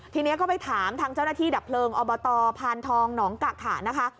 ทีนี้ก็ไปถามทางเจ้าหน้าที่ดับเพลิงอบตพานทองหนองกะขะนะคะ